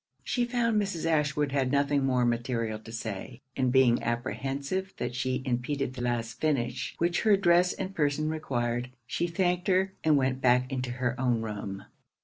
She found Mrs. Ashwood had nothing more material to say; and being apprehensive that she impeded the last finish which her dress and person required, she thanked her, and went back into her own room.